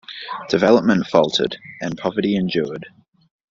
Development faltered, and poverty endured.